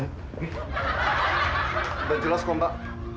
udah jelas kok mbak